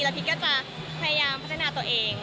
พีชก็จะพยายามพัฒนาตัวเอง